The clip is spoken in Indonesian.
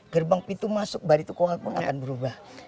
gerbang pintu masuk barituk kuala pun akan berubah